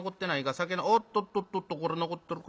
酒おっとっとっとっとこれ残ってるか？